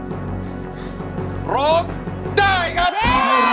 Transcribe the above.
เพลงที่เจ็ดเพลงที่แปดแล้วมันจะบีบหัวใจมากกว่านี้